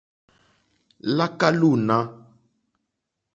Láká lúǃúná.